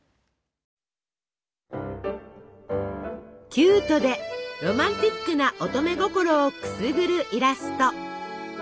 キュートでロマンチックな乙女心をくすぐるイラスト。